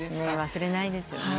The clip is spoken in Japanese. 忘れないですよね。